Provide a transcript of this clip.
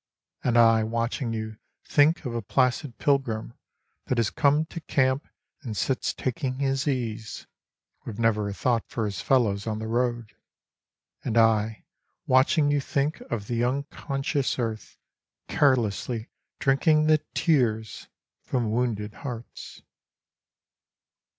And I watching you think of a placid pilgrim That has come to camp and sits taking his ease. With never a thought for his fellows on the road. And I watching you think of the unconscious earth Carelessly drinking the tears from wounded hearts.